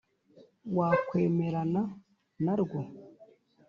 Wakwemerana na rwo